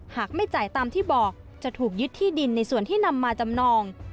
หากไม่จ่ายตามที่บอกจะถูกยึดที่ดินในส่วนที่นำมาจำนอง